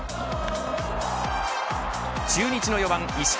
中日の４番、石川